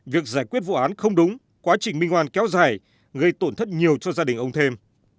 việc giải quyết vụ án không đúng quá trình minh hoàn kéo dài gây tổn thất nhiều cho gia đình ông thêm